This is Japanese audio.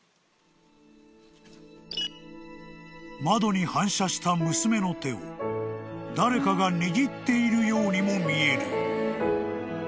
［窓に反射した娘の手を誰かが握っているようにも見える］